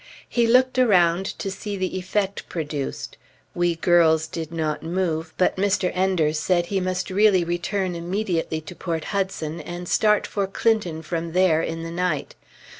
He looked around to see the effect produced. We girls did not move, but Mr. Enders said he must really return immediately to Port Hudson, and start for Clinton from there in the night.